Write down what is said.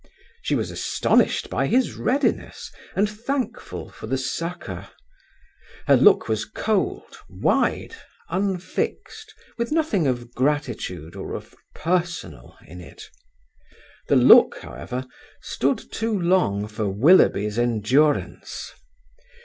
She was astonished by his readiness, and thankful for the succour. Her look was cold, wide, unfixed, with nothing of gratitude or of personal in it. The look, however, stood too long for Willoughby's endurance.